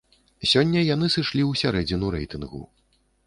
Сёння яны сышлі ў сярэдзіну рэйтынгу.